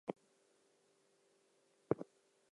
Smoot was born in Jackson, Mississippi.